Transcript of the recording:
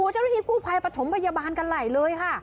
จริงกูภัยปฐมพยาบาลกันไหลเลยค่ะ